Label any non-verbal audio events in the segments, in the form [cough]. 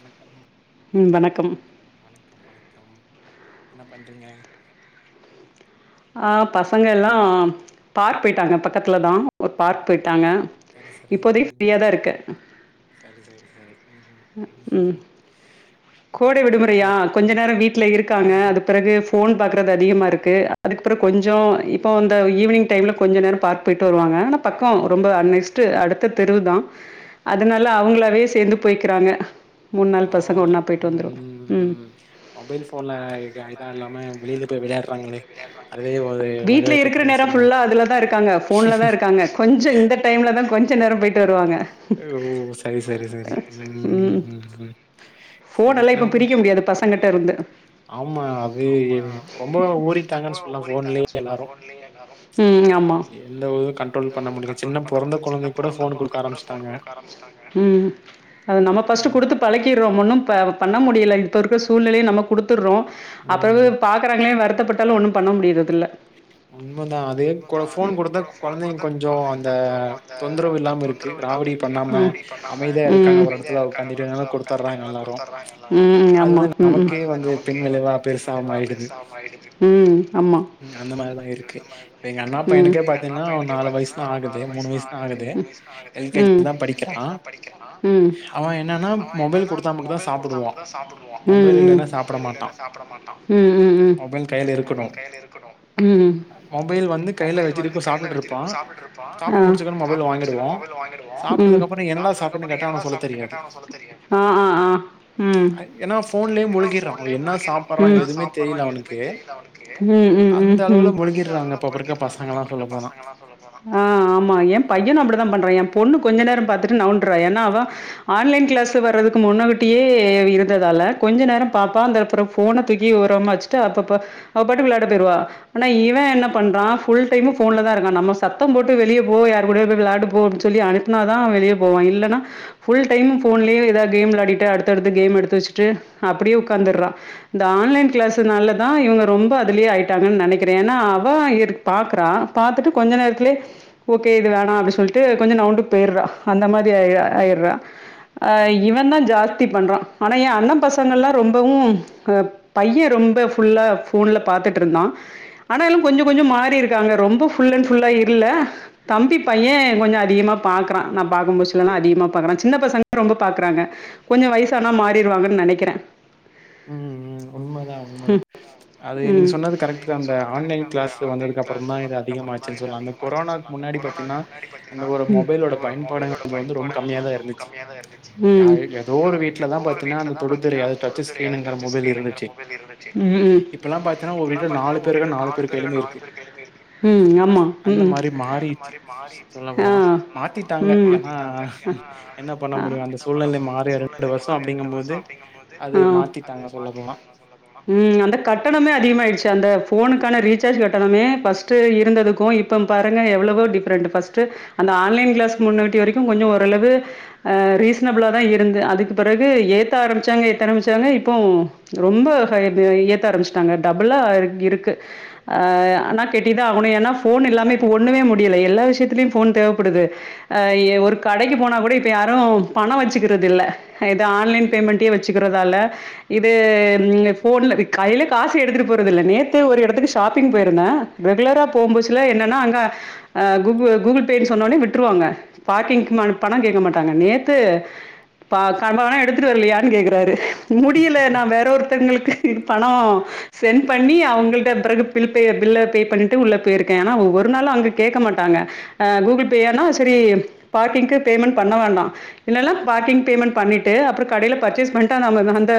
வணக்கம் ம் வணக்கம் வணக்கம் வணக்கம் என்ன பண்றீங்க ஆ பசங்கல்லா பார்க் போயிட்டாங்க பக்கத்துலதா ஒரு பார்க் போயிட்டாங்க இப்போதக் ஃப்ரீயாதா இருக்க சரி சரி சரி ம்ம் கோட விடுமுறயா கொஞ்ச நேரோ வீட்ல இருக்காங்க அதுக. பிறகு ஃபோன் பாக்குறது அதிகமாருக்கு அதுக்கப்பற கொஞ்சோ இப்போ அ இந்த ஈவினிங் டைம்ல கொஞ்ச நேரோ பார்க் போய்ட்டு வருவாங்க ஆனா பக்கோ ரொம்ப அன்சி ட. டு அடுத்த தெருவுதா அதனால அவங்களாவே சேர்ந்து போய்க்கிறாங்க பரவால்ல ம் ம் மொபைல் ஃபோன்ல இதால்லாம வெளியில போயி விளயாட்றாங்களே அதுவே ஒரு வீடல இருக்கிற நேரம் புல்லா அதுலதா இருக்காங்க ஃபோன்லதா இருக்காங்க கொஞ்சோ இந்த டைம்லதா கொஞ்ச நேரோ போயிட்டு வருவாங்க ஓ சரி சரி சரி ம் ம் ம் ம் நம் எங்கிட்டருந்து ஆமா அது ரொம்ப ஊறிட்டாங்கன்ஸ் ஊறிட்டாங்க சொன்னா ஃபோன்லேனாலு ம் ஆமா கன்ட்ரோல் பண்ண முடியு சின்னப் பொறந்த பொழந்தை க்கூட போன் குடுக்க ஆரம்பிட்டாங்க ம் அத நம்ம ஃபஸ்ட்டு குடுத்து பழக்கிறோ ஒன்னுபண்ண முடியல இப்போ இருக்கிற சூழ்நிலயு நம்ம குடுத்துட்றோ அப்பிறவு பாக்குறாங்களேன் வருத்தப்பட்டாலு ஒண்ணு பண்ண முடியறதுல்ல உண்மதா அதே ஃபோன் குடுத்தா கொழந்தங்க கொஞ்சோ அந்த தொந்தரவு இல்லாம இருக் தொந்தரவு இல்லாமருக்கு ம் ரவாடி பண்ணாமா ம் இருக்காங்க ஒரு எடத்துல ஒக்காந்துட்டு அதனால. குடுத்தறாங்க ம் ஆமா அதுதா நமக்கே வந்து பின்விளைவா பெர்சா மாறிடுது ம் ஆமா அந்த மாரிதா இரு அந்த மாரிதாருக்கு எங்க அண்ணாப் பையனுக்கே பாத்தீங்கன்னா நாலு வயசுதா ஆகுது மூனு வயசுதா ஆகுது குது ம் ஃபிரி கே ஜி தா படிக்றா ம் அவ என்னன்னா மொபைல் குடுத்தா மட்டு தா சாப்பிடு டுவா ம்ம் மொபைல் இல்லனா சாப்பிட மாட்டா ம் ம்ம் மொபைல் கைல இருக்கணு ம் மொபைல் வந்து கையில வச்சட்டுர்க்கபோது சாப்பிட்டுருப்பா மம் சாப்ட்டு முடிச்சது மொபைல் வாங்கிடுவோ வோ ம் சாப்பிட்டதுக்கப்புறோ என்னடா சாப்டன்னு கேட்டா அவுனுக் சொல்ல தெரியாது ஆஆஆ ம் ஏன்னா ஃபோன்லயே முழுகிட்றா ம் என்னா சாப்டுறா எதுவுமே தெரில அவனுக் க்கு ம் ம் ம் அந்த அளவுல மூழ்கீறாங்க இப்பர்க்க பசங்கல்லா சொல்ல போனா ஆ ஆமா ஏ பையன்னு அப்டிதா பண்றா ஏ பொண்ணு கொஞ்சோ நேர பாத்துட்டு நவுண்றா ஏன்னா அவா ஆன்லைன் கிளாஸ்கு வர்றதுக்கு முன்னகட்டியே இருந்ததால கொஞ்சோ நேரோ பாப்பா அந்தப்றோ ஃபோன தூக்கி ஒரம்மாச்சுட்டு அப்பப்ப அவ பாட்டுக்கு விளாட போய்ர்வா ஆனா இவே என்ன பண்றா ஃபுல் டைமு போன்லதா இருக்கா நம்ம சத்தோ போட்டு வெளிய போ யாரு கூடயாது விளயாடு போனூன் சொல்லி அனுப் னாதா வெளிய போவா இல்லனா ஃபுல் டைம் ஃபோன்லே ஏதாது கேம் விளாடிட்டு அடுத்தடுத்து கேம் எடுத்து வச்சுட்டு அப்டியே உக்காந்துர்றா இந்த ஆன்லைன் கிளாஸுனாலதா இவுங்க ரொம்ப அதிலே ட்டாங்கன்னு நெனைக்கிறே ஏன்னா அவ இர்க் பாக்குறா பாத்துட்டு கொஞ்சோ நேரத்லே ஓகே இது வேணா அப்டின்னு சொல்லிட்டு கொஞ்சோ நவுண்டு போயடுறான் அந்த மாதிரி ஆ ஆயிடுறா ஆ இவன் தா ஜாஸ்தி பண்றா ஆனா ஏ அண்ணன் பசங்கள்ல்லாம ரொம்பவு அ பையே ரொம்ப ஃபுல்லா போன்ல பாத்துட்டுருந்தா ஆனாலு கொஞ்சோ கொஞ்சோ மாறி இருக்காங்க ரொம்ப ஃபுல் அண்ட் ஃபுல்லா இல்ல தம்பி பையே கொஞ்சோ அதிகமா பாக்குறா நா பாக்குற போசிலல்லா அதிகமா பாக்குறா சின்ன பசங்க ரொம்ப பாக்குறாங்க கொஞ்சோ வயசானா மாறிடுவாங்கன்னு நெனைக்கிறே ம் ம் உண்மதா உண்மதா அது நீங்க சொன்ன கரெக்ட தா டா அந்த ஆன்லைன் கிளாஸ் வந்ததுக்கு அப்றோ தா இது அதிக ஆச்சுன் சொல்ல கொரோனாக்கு முன்னாடி பாத்தீங்கன்னா இந்த ஒரு மொபைலோட பயன்பாடுங்கது வந்து ரொம்ப கம்மியா தா இருந்துச்சு யார் வீட்ல ஏதோ ஒரு வீட்ல தா பாத்தின்னா அந்த தொடுதிரை டச்சி கிரீன்ங்கிற மொபைல் இருந்துச்சு இப்பல்லா பாத் ஏனா ஒரு வீட்ல நாலு பேருக நாலு பேருக் கைலயுமே இருக்கு அந்த மாரி மாறிச்சு சொல்ல போனா மாத்திட்டாங்க ஏனா என்ன பண்ண முடியு அந்த சூழ்நிலை மாறிரு மாறி இரண்டு வருஷோ அப்டிங்கும் போது ம் அந்த கட்டணமே அதிகமாயிடுச்சு அந்த ஃபோனுக்கான ரீசார்ஜ் கட்டணமே ஃபர்ஸ்டு இருந்ததுக்கு இப்போ பாருங்க எவ்வோ டிஃப்ரெண்ட் ஃபஸ்ட்டு அந்த ஆன்லைன் கிளாஸ் முன்னாட்டி வரைக்கு கொஞ்சோ ஓரளவு அ ரீசனபிளாக தா இருந்து அதுக்கு பிறகு ஏத்த ஆரம்மிச்சாங்க ஏத்த ஆரம்பிச்சாங்க இப்போ ரொம்ப ஹை‌ ஏத்த ஆரம்பச்சுட்டாங்க டபுளா இருக்கு ஆ ஆனா கெட்டிதா ஆகணு ஏனா போன் எல்லாமே இப்ப ஒண்ணுமே முடியல எல்லா விஷயத்திலயு போன் தேவப்படுது அ ஒரு கடைக்கு போனா கூட இப்ப யாரு பணம் வச்சுக்கறது இல்ல எது ஆன்லைன் பேமெண்டே வச்சுக்கிறதால இது நீங்க போன்ல கைல காசு எடுத்துட்டு போய் இல்ல நேத்து ஒரு இடத்துக்கு ஷாப்பிங் போய்ருந்தோ ரெகுலரா போகும்போதுச்சில என்னன்னா அங்க அ கூகு கூகுள் பேன்னு சொன்னோடனே விட்ருவாங்க பார்க்கிங்கு பணம் கேட்க மாட்டாங்க நேத்து ப கணா எடுத்துட்டு வரலையான்னு கேக்குறாரு முடியல நா வேற ஒருத்தங்களுக்கு பணோ சென்ட் பண்ணி அவங்கள்ட பெறகு பில் பே பில்ல பே பண்ணிட்டு உள்ளே போயிருக்கே ஏன்னா ஒ ஒரு நாளு அங்க கேக்க மாட்டாங்க அ கூகுள் பேயானா சரி பார்க்கிங்க்கு பேமெண்ட் பண்ண வேண்டா இல்லனா பார்க்கிங் பேமெண்ட் பண்ணிட்டு அப்றோ கடைல பர்ச்சேஸ் பண்ட்டா நம்ம அந்த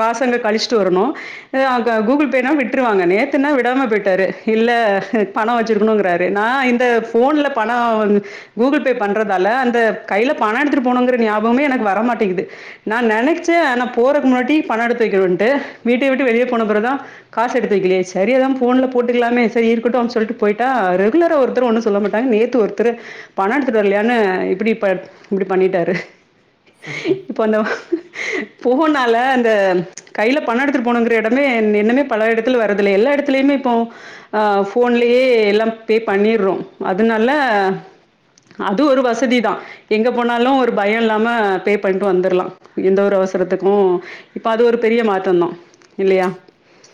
காசங்க கழிச்சிட்டு வரணு எ அங் க கூகுள் பேனா விட்டுருவாங்க நேத்துனா விடாம போய்ட்டாரு இல்ல பணோ வச்சிருக்கணுங்குறாரு நா இந்த ஃபோன்ல பணோ வந் கூகுள் பே பண்றதால அந்த கைல பணோ எடுத்துட்டு போனுங்கிற நியாபகமே எனக்கு வரமாட்டேங்குது நா நெனைச்ச ஆனா போறக்கு முன்னாட்டி பணொ எடுத்து வைக்கனுன்ட்டு வீட்ட விட்டு வெளியே போன பிறதா காசு எடுத்து வக்கலையே சரியதா ஃபோன்ல போட்டுக்கலாமே சரி இருக்கட்டு அப் சொல்ட்டு பொய்ட்டா ரெகுலரா ஒருத்தர் ஒன்னு சொல்ல மாட்டாங்க நே த்து ஒருத்தர் பணொ எடுத்துட் வர்லையானு இப்டி ப இப்டி பண்ணிட்டாரு இப்ப அந்த ஃபோனால அந்த கைல பணோ எடுத்துட்டு போனுங்க த எடமே எண்ணமே பல எடத்துல வரதுல்ல எல்லா எடத்துலயுமே இப்போ ஆ ஃபோன்லேயே எல்லா பே பண்ணியடுறோ அதனால அது ஒரு வசதிதா எங்க போனாலு ஒரு பயோ இல்லாம பே பண்ணிட்டு வந்துர்லா எந்த ஒரு அவசரத்துக்கு இப்ப அது ஒரு பெரிய மாற்றந்தா இல்லையா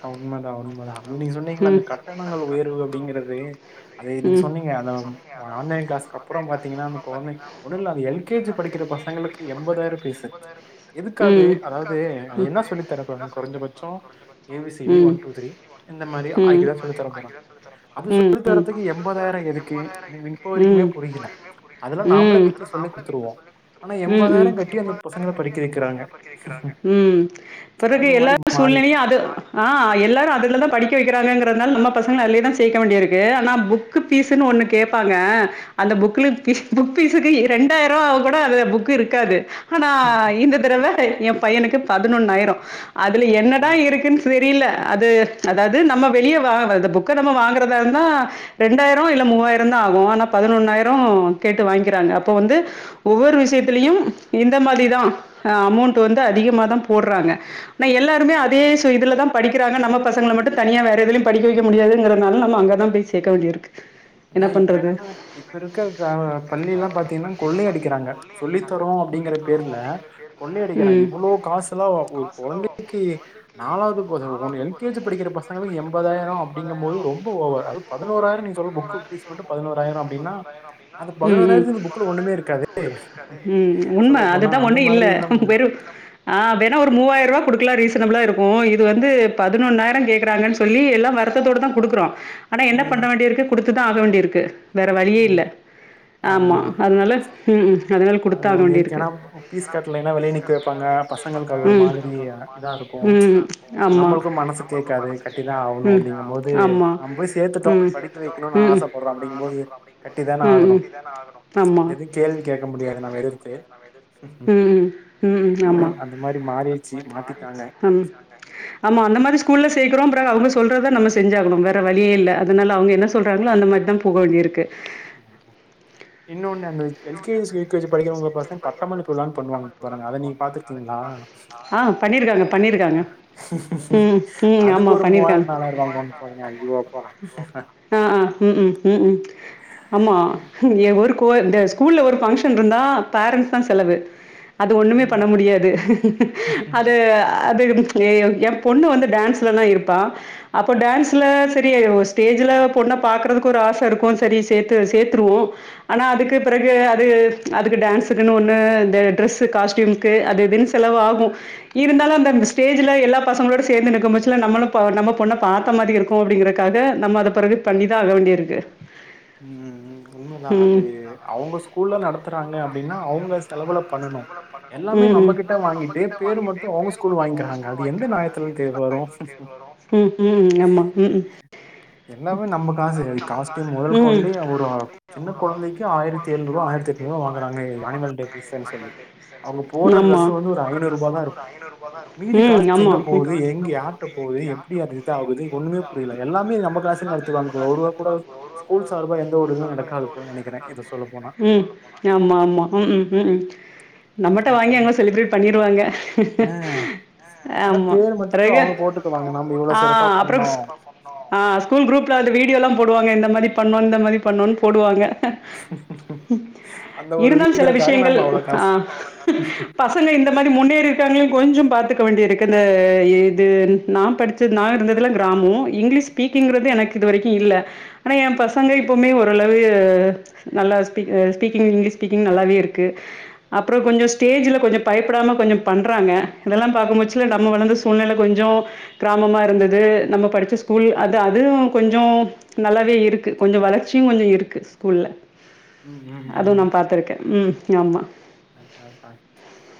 அ உண்மதா உண்மதா அ நீங்க சொன்னீங்களா அந்த கட்டணங்கள் உயர்வு அப்டிங்கறது அது நீங்க சொன்னீங்க அந்த ஆன்லைன் கிளாஸ்கு அப்றோ பாத்தீங்கன்னா அந்த கொழந்தைங் ஒன்னு இல்ல அந்த எல் கே ஜி படிக்கிற பசங்களுக்கு எம்பதாயிரோ ஃபீஸ் எதுக்கது அதாவ்து என்ன சொல்லித்தர போறாங்க கொறஞ்ச பச் சோ A B C D one two three இந்த மாரி ஆகிதா சொல்லி தர போறாங்க அது சொல்லித்தரதுக்கு எம்பதாயிரோ எதுக்கு எனக்கு இப்ப வரைக்குமே புரியல அதெல்லா நாமளா வீட்ல சொல்லி குட்த்துருவோ ம் ம் ம் பெறகு எல்லா சூழ்நிலையு அது ஆ எல்லாரு அதுலதா படிக்க வைக்கிறாங்கங்றனால நம்ம பசங்கள அதுலயே தா சேக்க வேண்டியிருக்கு ஆனா புக் கு ஃபீஸ்னு ஒன்னு கேப்பாங்க அந்த புக்ல ஃபீ புக் ஃபீஸ்க்கு இரெண்டாயிருவா ஆவு கூட அது புக் இருக்காது ஆனா இந்த தடவ எ பையனுக்கு பதினொன்னாயிரொ அதுல என்னதா இருக்குன் தெரியல அது அதாவது நம்ம வெளிய வா இத புக்க நம்ம வாங்குறதா இருந்தா ரெண்டாயிரோ இல்ல மூவாயிரோந்தா ஆகு ஆனா பதினொன்னாயிரோ கேட்டு வாங்கிக்றாங்க அப்ப வந்து ஒவ்வொரு விஷயத்தலயும் இந்த மாதிதா அ அமௌண்ட் வந்து அதிகமா தா போடுறாங்க ஆனா எல்லாருமே அதே ஸு இதுலதா படிக்கிறாங்க நம்ம பசங்கள மட்டு தனியா வேற எதுலயு படிக்க வைக்க முடியாதுங்கறனால நம்ம அங்கதா பேய் சேக்க வேண்டியிருக் அதா இப்ப என்னன்னா இப்ப இருக்க க பள்ளில்லா பாத்தீங்கன்னா கொள்ளையடிக்க றாங்க சொல்லித்தரோ அப்டிங்கிற பேர்ல கொள்ளையடிக்கிறாங்க இவ்ளோ காசுலா ஒரு கொழந்தை க்கி நாலாவது பச ஒன் எல் கே ஜி படிக்கிற பசங்களுக்கு எம்பதாயிரோ அப்டிங்கும்போது ரொம்ப ஓவர் அது பதினோராயிரொ நீங்க சொல்ற புக் ஃபீஸ் மட்டு பதினோராயிரோ அப்டினா அந்த பதினோராயிரத்துக்கு புக்ல ஒன்னுமே இருக் காதே ம் உண்ம அதுதா ஒன்னு இல்ல வெறு ஆ வேணா ஒரு மூவாயிருவா குடுக்கலா ரீசனபிளா இருக்கு இது வந்து பதினொன்னாயிரோ கேக்குறாங்கன் சொ சொல்லி எல்லா வருத்தத்தோட தா குடுக்குறோ ஆனா என்ன பண்ண வேண்டியிருக்கு குடுத்துதா ஆக வேண்டியிருக்கு வேற வழியே இல்ல ஆமா அதனால ம் அதனால கு அது ஒன்னு இருக்கு ஏன்னா ஃபீஸ் கட்லேன்னா வெளில நிக்க வைப்பாங்க பசங்களுக்கு அது ஒரு மாதிரி இதா இருக் கு நம்மளுக்கு மனசு கேக்காது கட்டிதா ஆவணு அப்டிங்கம்போது நம் போய் சேத்துட்டோ படி க்க வைக்கணு ஆசப்படுறா அப்டிங்குபோது கட்டி தான ஆகணு எது கேள்வி கேக் க முடியாது நாம எதிர்த்து அந்த மாரி மாறிச்சு மாத்திட்டாங்க ஆமா அந்த மாரி ஸ்கூல்ல சேக்றோ பறகு அவங்க சொல்றத நம்ம செஞ்சாகணு வேற வழியே இல்ல அதனால அவங்க என்ன சொல்றாங்ளோ அந்த மரிதா போக வேண்டிருக்கு இன்னொன்னு அந்த L K S L K G படிக்கிறவங்களுக் பாத்திங்னா பட்டமளிப்பு விழானு பண்ணுவாங்க பாருங்க அத நீங்க பாத்துருக்கீங்களா அதுக்கு ஒரு மூவாயிர நாலாயிர ருவா [unintelligible] ஐயோ பா ஆ ஆ உம் உம் உம் உம் ஆமா ஏ ஒரு கோ ஸ்கூல்ல ஒரு பங்க்ஷன் இருந்தா பேரண்ட்ஸ் தா செலவு அது ஒண்ணுமே பண்ண முடியாது அது அது யோ ஏ பொண்ணு வந்து டான்ஸ்லலா இருப்பா அப்போ டான்ஸ்ல சரி ஸ்டேஜ்ல பொண்ண பாக்குறதுக்கு ஒரு ஆச இருக்கு சரி சேத்து சேத்துருவோ ஆனா அதுக்கு பிறகு அது அதுக்கு டான்ஸ்சுக்குன்னு ஒண்ணு இந்த டிரெஸ்சு காஸ்டூயும்கு அது இதுன்னு செலவாகு இருந்தாலு அந்த ஸ்டேஜ்ல எல்லா பசங்களோட சேந்து நிக்குபோச்சல நம்மளு நம்ம பொண்ண பாத்த மாறி இரு க்கு அப்டிங்கிறக்காக நம்ம அத பிறகு பண்ணிதா ஆக வேண்டியருக்கு உம் உம் உண்மதா அது அவங்க [unintelligible] ஸ்கூல்ல நடத்துறாங்க அப்டின்னா அவங்க செலவுல பண்ணனு எல்லாமே நம்மகிட்ட வாங்கிட்டு பேர் மட்டு அவங்க உம் உம் ஆமா உம் எல்லாமே நம்ம காசு காஸ்டியூம் மொதல் கொண்டு ஒரு சின்ன கொழந்தைக்கு ஆயிரத்தி எழுநூறு ஆயிரத்தி எட் ருவா வாங்கறாங்க னிமல் டே பீஸ்ன்னு சொல்லி அவங்க போடுற டிரெஸ் வந்து ஒரு ஐநூறுபா தா இருக்கு மீதி காசு எங்க போகுது எங்கே யார்ட்ட போகுது எப்டி அது இதாகுது ஒண்ணுமே புரியல எல்லாமே நம காசுல எடுத்துக்காங்க ஒருவா கூட ஸ்கூல் சார்பா எந்த ஒரு இதுமே நடக்காது போலனு நெனைக்கிறே இத சொல்லப்போனா ஆமா ஆமா உகூம் உகூம் நம்மட்ட வாங்கி அங்க செலிப்ரேட் பண்ணிருவாங்க ஆமா நெறைய ஆ அப்பற ஆ ஸ்கூல் குரூப்ல அந்த வீடியோல்லாம் போடுவாங்க இந்த மாரி பண்ணோம் இந்த மாரி பண்ணோன்னு போடுவாங்க இருந்தால் செல விஷயங்கள் ஆ கொஞ்ச இந்த மாதிரி முன்னேறிருக்காங்களே கொஞ்சம் பாத்துக்க வேண்டி இருக்கு இந்த இது நான் படிச் நான் இருந்ததெல்லாம் கிராமொ இங்கிலீஷ் ஸ்பீக்கிங்றது எனக்கு இது வரைக்கும் இல்ல ஆனா என் பசங்க இப்பவுமே ஓரளவு நல்லா ஸ்பி ஸ் ஸீபீக்கிங் இங்லீஷ் ஸ்பீக்கிங் நல்லாவே இருக்கு அப்புற கொஞ்ச ஸ்டேஜ்ல கொஞ்சம் பயப்படாம கொஞ்சம் பண்றாங்க இதெல்லாம் பாக்கமொச்ல நம்ம வளர்ந்து சூழ்நெல கொஞ்சம் கிராமமா இருந்தது நம்ம படிச்ச ஸ்கூல் அது அதுவும் கொஞ்சும் நல்லாவே இருக்கு கொஞ்சம் வளர்ச்சியும் கொஞ்சம் இருக்கு ஸ்கூல்ல அதும் நான் பாத்திருக்கேன் ம் ஆமா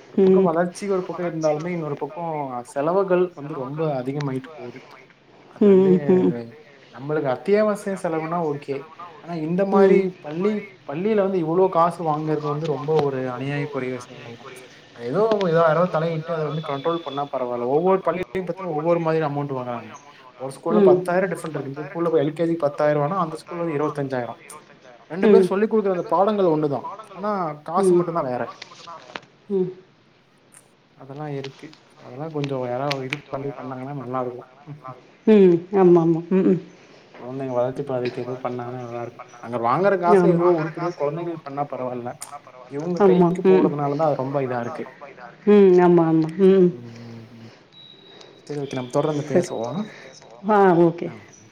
ஒரு பக்கம் வளர்ச்சி ஒருபக்கம் இருந்தாலுமே இன்னொரு பக்கம் செலவு கள் வந்து ரொம்ப அதிகமாயிட்டு போது அது வந்து நம்மளுக்கு அத்யாவஸ் [unintelligible] செலவுனா ஓகே ஆனா இந்த மாரி பள்ளி பள்ளில வந்து இவ்ளோ காசு வாங்கறது வந்து ரொம்ப ஒரு அணியாயம் பொரிய விஷயங்கள் தா ஏதோ யாரோ தலயிட்டு அத வந்து கண்ட்ரோல் பண்ணா பரவால்ல ஒவ்வொர் பள்ளி பள்ளியு டீன் பாத்தீங்னா ஒவ்வொரு மாரி அமௌண்ட் வாங்குறாங்க ஒரு ஸ்கூல் ல பத்தாயிரம் டிஃப்ரண்ட் இருக்குது இந்த ஸ்கூல்ல எல் கே ஜி பத் த்தாயிரவானா அந்த ஸ்கூல்ல வந்து இருவத்தஞ்சாயிரம் ரெண்டு பேரும் சொல்லிக் குடுக்கற அந்த பாடங்கள் ஒன்னு தா ஆனா காசு மட்டு தா வேற ம் அதெல்லா இருக்கு அதெல்லாம் கொஞ்சோ யாராவ்து இது பண்ணி பண்ணாங்கன்னா நல்லாருக்கு ம் ஆம்மாம்மா ம் கொழந்தைங்க வளர்ச்சி பாதிக்கிதூ பண்ணானா நல்லாருக்கு அங்க வாங்கற காச ஏதோ உருபடியா ஏதோ கொழந்தைங்கள்க்கு பண்ணா பரவால்ல இவுங்க கைக்கு போறதுனாலதா அது ரொம்ப இதா இருக்கு ம் ம் செரி ஓகே நம்ம தொடர்ந்து பேசுவோம் அ ம்